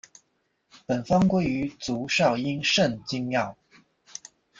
本方归于足少阴肾经药。